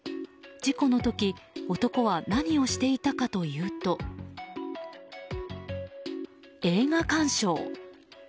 事故の時男は何をしていたかというと映画鑑賞。